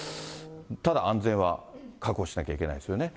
ただ安全は確保しなきゃいけないですよね。